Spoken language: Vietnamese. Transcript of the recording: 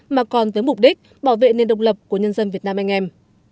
nhưng với mục đích bảo vệ nền độc lập của nhân dân việt nam anh em